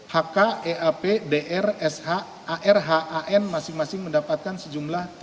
hk eap dr sh arhan masing masing mendapatkan sejumlah